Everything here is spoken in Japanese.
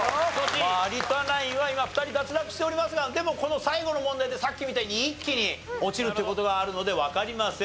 まあ有田ナインは今２人脱落しておりますがでもこの最後の問題でさっきみたいに一気に落ちるっていう事があるのでわかりません。